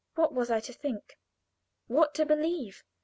What was I to think? What to believe?